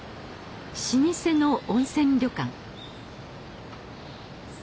老舗の温泉旅館。